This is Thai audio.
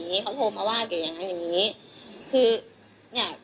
พี่ลองคิดดูสิที่พี่ไปลงกันที่ทุกคนพูด